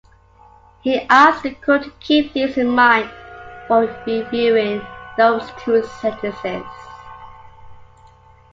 He asked the court to keep these in mind for reviewing those two sentences.